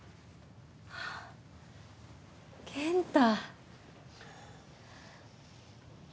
健太。